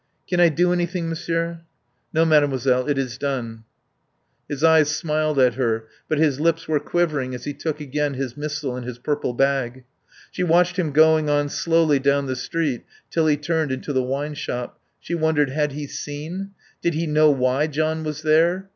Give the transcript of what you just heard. "Can I do anything, Monsieur?" "No, Mademoiselle. It is done." His eyes smiled at her; but his lips were quivering as he took again his missal and his purple bag. She watched him going on slowly down the street till he turned into the wine shop. She wondered: Had he seen? Did he know why John was there?